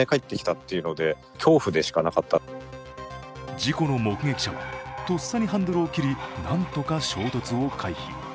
事故の目撃者はとっさにハンドルを切り、なんとか衝突を回避。